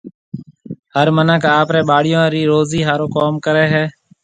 هر مِنک آپرَي ٻاݪيون رِي روزِي هارون ڪوم ڪريَ هيَ۔